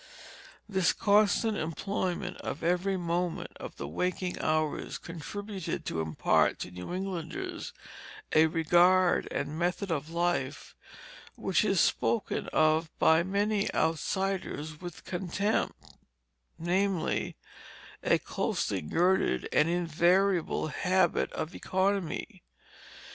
This constant employment of every moment of the waking hours contributed to impart to New Englanders a regard and method of life which is spoken of by many outsiders with contempt, namely, a closely girded and invariable habit of economy.